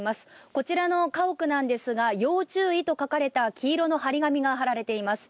こちらの家屋なんですが要注意と書かれた黄色の貼り紙が貼られています。